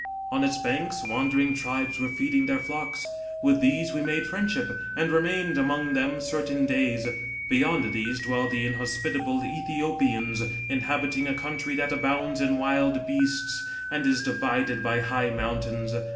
On its banks wandering tribes were feeding their flocks. With these we made friendship, and re mained among them certain days. Beyond these dwell the ' inhospitable ^Ethiopians,' inhabiting a country that abounds in wild beasts, and is divided by high mountains.